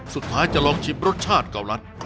สุดท้ายจะลองชิมรสชาติเกาลัด